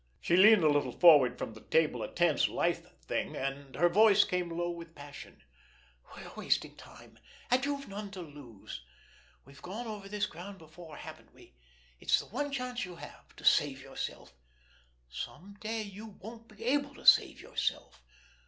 She leaned a little forward from the table, a tense, lithe thing, and her voice came low with passion: "We're wasting time—and you've none to lose. We've gone over this ground before, haven't we? It's the one chance you have—to save yourself. Some day you won't be able to save yourself.